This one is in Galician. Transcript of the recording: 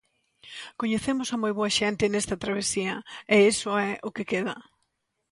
Coñecemos a moi boa xente nesta travesía, e iso é o que queda.